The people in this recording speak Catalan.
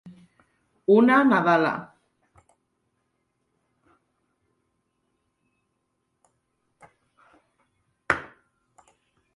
Una nadala.